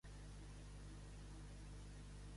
Treure el moll dels ossos.